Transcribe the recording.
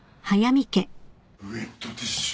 ウエットティッシュ